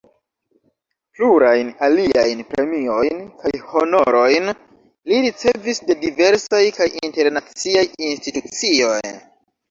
Plurajn aliajn premiojn kaj honorojn li ricevis de diversaj kaj internaciaj institucioj.